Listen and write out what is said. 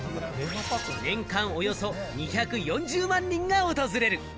年間およそ２４０万人が訪れる。